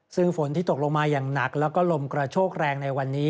ซึ่งฝนที่ตกลงมาอย่างหนักแล้วก็ลมกระโชกแรงในวันนี้